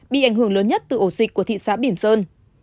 bị ảnh hưởng lớn nhất từ ổ dịch của thị xã bỉm sơn